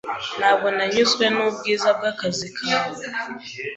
Ntabwo nanyuzwe nubwiza bwakazi kawe.